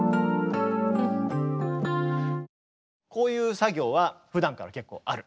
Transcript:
こういう作業はふだんから結構ある？